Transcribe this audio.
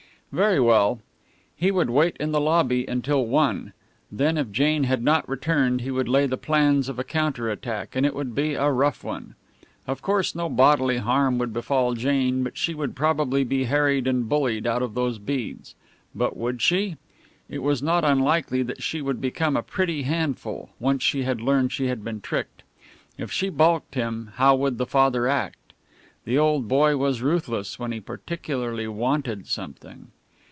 Very well. He would wait in the lobby until one; then if Jane had not returned he would lay the plans of a counter attack, and it would be a rough one. Of course no bodily harm would befall Jane, but she would probably be harried and bullied out of those beads. But would she? It was not unlikely that she would become a pretty handful, once she learned she had been tricked. If she balked him, how would the father act? The old boy was ruthless when he particularly wanted something.